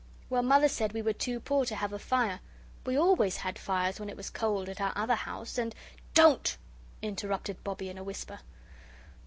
Well, Mother said we were too poor to have a fire. We always had fires when it was cold at our other house, and " "DON'T!" interrupted Bobbie, in a whisper.